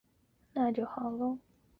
高阇羌人。